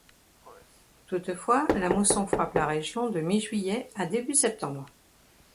Toutefois, la mousson frappe la région de mi-juillet à début septembre.